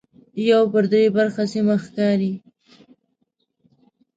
یو پر درې برخه سیمه ښکاري.